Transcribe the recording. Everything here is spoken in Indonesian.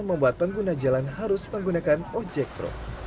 membuat pengguna jalan harus menggunakan ojek truk